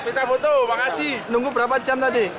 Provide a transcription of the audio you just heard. kita foto makasih nunggu berapa